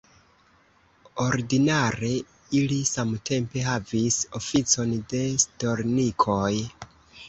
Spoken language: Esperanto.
Ordinare ili samtempe havis oficon de stolnikoj.